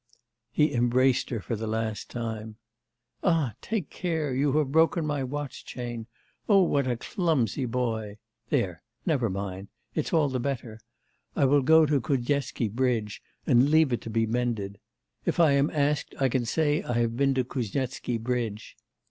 He embraced her for the last time. 'Ah, take care, you have broken my watch chain. Oh, what a clumsy boy! There, never mind. It's all the better. I will go to Kuznetsky bridge, and leave it to be mended. If I am asked, I can say I have been to Kuznetsky bridge.